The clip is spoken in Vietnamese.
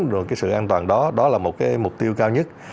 rồi cái sự an toàn đó đó là một cái mục tiêu cao nhất